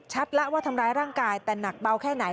ละว่าทำร้ายร่างกายแต่หนักเบาแค่ไหน